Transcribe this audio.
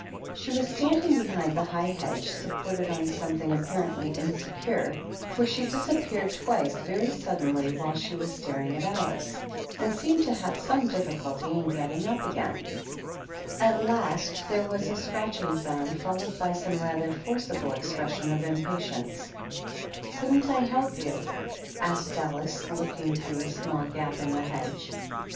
She was standing behind the high hedge, supported on something apparently insecure, for she disap peared twice very suddenly while she was staring at Alice, and seemed to have some difficulty in getting up again. At last there was a scratch ing sound followed by some rather forcible ex pression of impatience. " Couldn't I help you ?" 120 THE BED QUEEN AND THE DUCHESS. 121 asked Alice, looking through a small gap in the hedge.